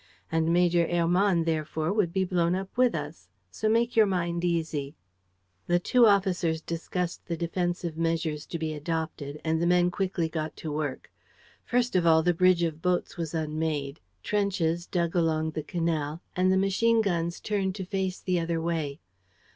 And Major Hermann, therefore, would be blown up with us. So make your mind easy." The two officers discussed the defensive measures to be adopted; and the men quickly got to work. First of all, the bridge of boats was unmade, trenches dug along the canal and the machine guns turned to face the other way.